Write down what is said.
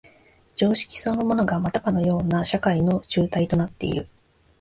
常識そのものがまたかような社会の紐帯となっている。